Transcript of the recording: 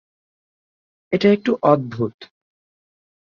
এটা একটু অদ্ভুত।